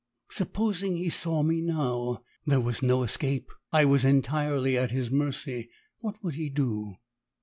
Supposing he saw me now? There was no escape! I was entirely at his mercy. What would he do?